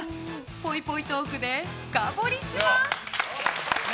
ぽいぽいトークで深掘りします！